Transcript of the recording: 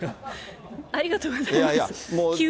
ありがとうございます。